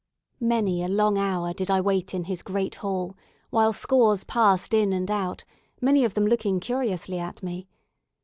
Many a long hour did I wait in his great hall, while scores passed in and out; many of them looking curiously at me.